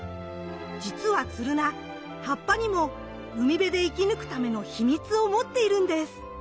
じつはツルナ葉っぱにも海辺で生き抜くための秘密を持っているんです。